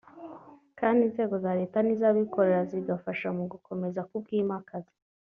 kandi inzego za leta n’iz’abikorera zigafasha mu gukomeza kubwimakaza